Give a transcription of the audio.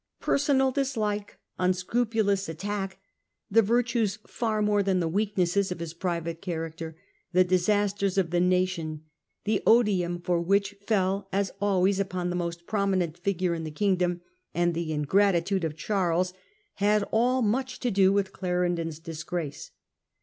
Personal dislike, unscrupulous attack, the virtues far 154 The Fall of Clarendon . 1667. more than the weaknesses of his private character, the disasters of the nation — the odium for which fell, as always, upon the most prominent figure in the kingdom — and the ingratitude of Charles, had all much to do with Clarendon's disgrace.